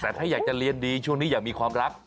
แต่ถ้าอยากจะเรียนดีช่วงนี้อยากมีความรัก